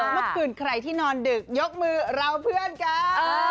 เมื่อคืนใครที่นอนดึกยกมือเราเพื่อนกัน